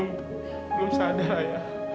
mama belum sadar